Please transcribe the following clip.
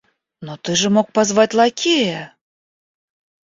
Но ты же мог позвать лакея!